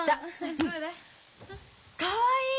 かわいい！